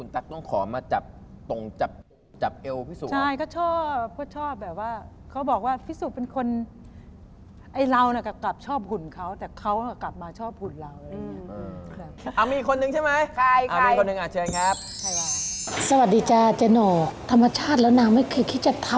ตอนประกวดเหรอ